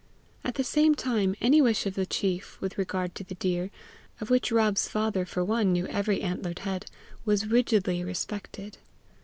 At the same time any wish of the chief with regard to the deer, of which Rob's father for one knew every antlered head, was rigidly respected.